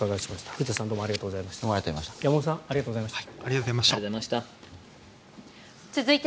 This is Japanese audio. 藤田さん、山本さんありがとうございました。